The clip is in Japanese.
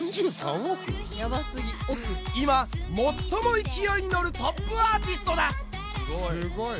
今最も勢いに乗るトップアーティストだ。